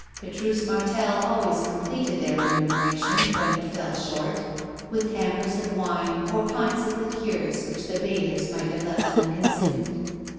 Petrus Martel always completed their remuneration, when it fell short, with hampers of wine or pints of liqueurs which the bathers might have left unconsumed.